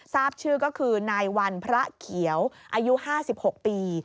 ทราบชื่อก็คือนายวันพระเขียวอายุ๕๖ปี